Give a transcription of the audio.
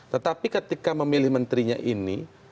tetapi ketika memilih menterinya ini